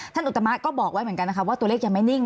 อุตมะก็บอกไว้เหมือนกันนะคะว่าตัวเลขยังไม่นิ่ง